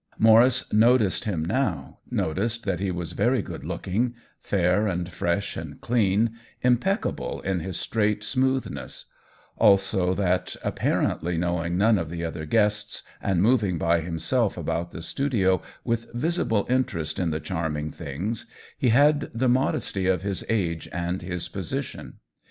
Maurice noticed him now, noticed that he was very good looking, fair and fresh and clean, impeccable in his straight smooth ness ; also that, apparently knowing none of the other guests and moving by himself about the studio with visible interest in the charming things, he had the modesty of his age and of his position.